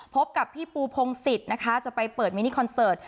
พบกับพี่ปูพงศิษย์นะคะจะไปเปิดมินิคอนเสิร์ต